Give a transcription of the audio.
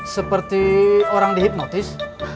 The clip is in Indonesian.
seperti orang dihipnotis